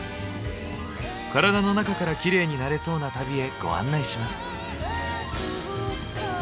カラダの中からキレイになれそうな旅へご案内します。